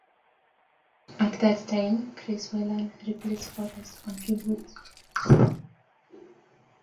At that time Chris Whelan replaced Forrest on keyboards.